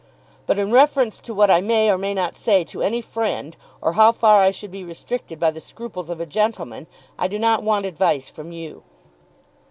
"But in reference to what I may or may not say to any friend, or how far I should be restricted by the scruples of a gentleman, I do not want advice from you."